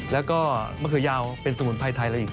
แล้วก็มะเขือยาวเป็นสมุนไพรไทยอะไรอีก